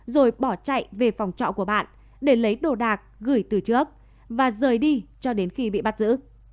rồi bỏ chạy về phòng trọ của bạn để lấy đồ đạc gửi từ trước và rời đi cho đến khi bị bắt giữ